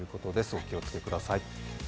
お気を付けください。